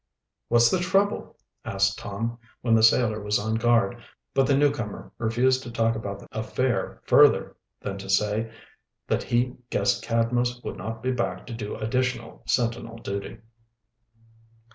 "What's the trouble?" asked Tom, when the sailor was on guard, but the newcomer refused to talk about the affair further than to say that he guessed Cadmus would not be back to do additional sentinel duty.